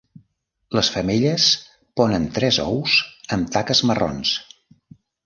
Les femelles ponen tres ous amb taques marrons.